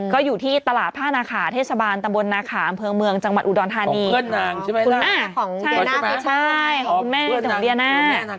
ก็อยู่ที่ตลาดผ้านาขาเทศบาลตำบลนาขาอำเภอเมืองจังหวัดอุดรธานีของคุณแม่ของเดียน่า